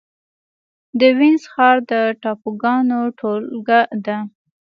د وينز ښار د ټاپوګانو ټولګه ده.